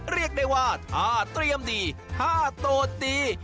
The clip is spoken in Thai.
เรียกได้ว่าถ้าเตรียมดีถ้าโดดดี